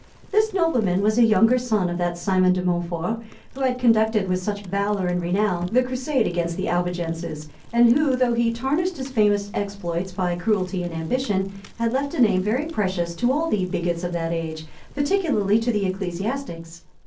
This nobleman was a younger son of that Simon de Mountfort who had conducted with such valor and renown the crusade against the Albigenses, and who, though he tarnished his famous exploits by cruelty and ambition, had left a name very precious to all the bigots of that age, particularly to the ecclesiastics.